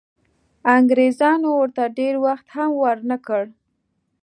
انګریزانو ورته ډېر وخت هم ورنه کړ.